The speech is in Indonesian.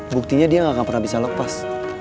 buktinya dia gak akan pernah bisa lepas